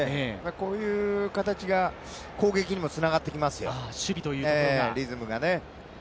こういう形が攻撃にもつながってきますよ、リズムがね。